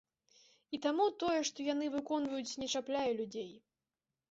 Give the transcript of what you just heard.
І таму тое, што яны выконваюць, не чапляе людзей.